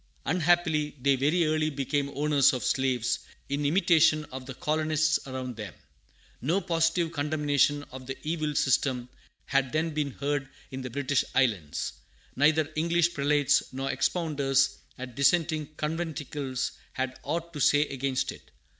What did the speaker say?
Unhappily, they very early became owners of slaves, in imitation of the colonists around them. No positive condemnation of the evil system had then been heard in the British islands. Neither English prelates nor expounders at dissenting conventicles had aught to say against it.